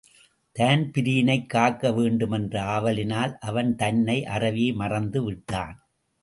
தான்பிரீனைக் காக்க வேண்டுமென்ற ஆவலினால் அவன் தன்னை அறவே மறந்து விட்டான்.